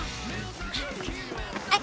あっ。